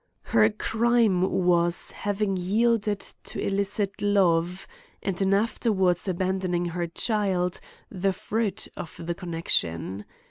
Her crime was, having yielded to illicit love, and in afterwards abandoning her child, the fruit of the connexion.